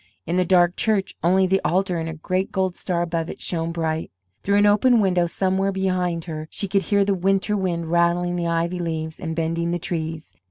In the dark church only the altar and a great gold star above it shone bright. Through an open window somewhere behind her she could hear the winter wind rattling the ivy leaves and bending the trees.